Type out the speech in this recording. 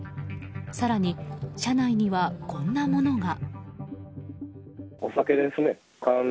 更に、車内にはこんなものが。